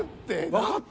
わかった？